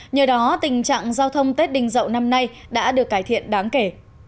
nhờ đó tình trạng giao thông tết đình dậu năm nay đã được cải thiện đáng kể